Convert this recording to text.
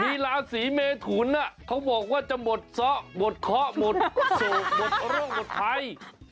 มีราศีเมทุนเขาบอกว่าจะหมดซะหมดเคาะหมดโศกหมดโรคหมดภัย